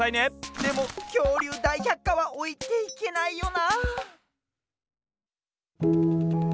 でも「きょうりゅうだいひゃっか」はおいていけないよな。